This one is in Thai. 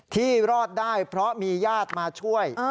ที่รอดได้เพราะมีญาติมาช่วย